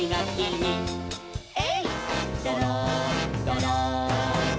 「えいっどろんどろん」